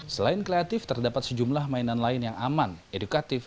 selain kreatif terdapat sejumlah mainan lain yang aman edukatif